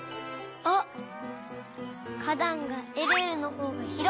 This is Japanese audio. かだんがえるえるのほうがひろい。